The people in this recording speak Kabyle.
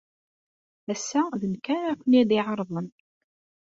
Ass-a, d nekk ara ken-id-iɛerḍen.